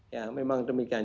ya memang demikian